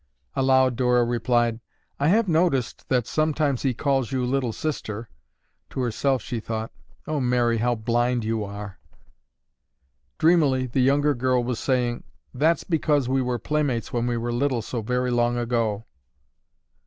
Aloud Dora replied, "I have noticed that sometimes he calls you 'Little Sister.'" To herself she thought: "Oh, Mary, how blind you are!" Dreamily the younger girl was saying—"That's because we were playmates when we were little so very long ago."